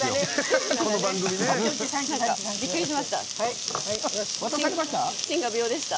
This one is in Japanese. びっくりしました。